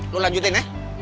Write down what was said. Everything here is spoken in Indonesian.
lo lanjutin ya